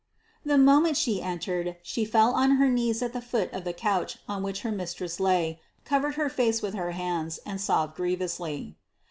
The moment she entered, she fell on her knees at the foot of the couch on which her mistress lay, covered her face with her hands, and sobbed grievously.